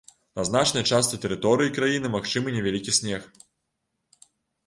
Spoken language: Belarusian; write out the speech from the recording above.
На значнай частцы тэрыторыі краіны магчымы невялікі снег.